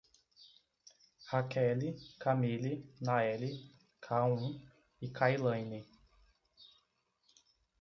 Raqueli, Kamily, Naeli, Kaun e Kailaine